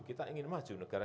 kita ingin maju negara